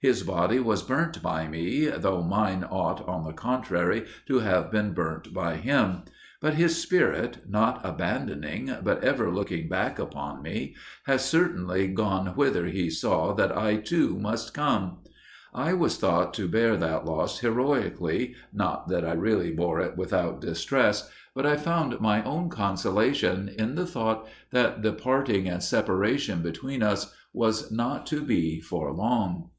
His body was burnt by me, though mine ought, on the contrary, to have been burnt by him; but his spirit, not abandoning, but ever looking back upon me, has certainly gone whither he saw that I too must come. I was thought to bear that loss heroically, not that I really bore it without distress, but I found my own consolation in the thought that the parting and separation between us was not to be for long.